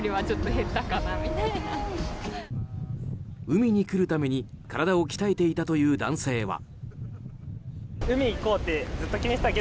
海に来るために体を鍛えていたという男性は。